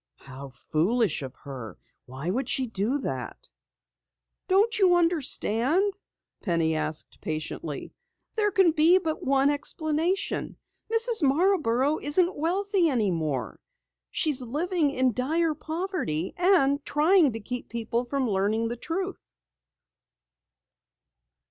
"How foolish of her. Why would she do that?" "Don't you understand?" Penny asked patiently. "There can be but one explanation. Mrs. Marborough isn't wealthy any more. She's living in dire poverty and trying to keep people from learning the truth."